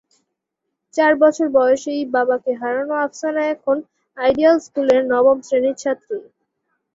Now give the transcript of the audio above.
চার বছর বয়সেই বাবাকে হারানো আফসানা এখন আইডিয়াল স্কুলের নবম শ্রেণির ছাত্রী।